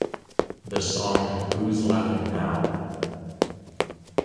The song Who's Laughing Now?